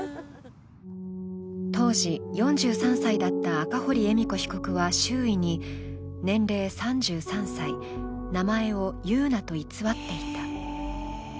当時４３歳だった赤堀恵美子被告は周囲に、年齢３３歳、名前をゆうなと偽っていた。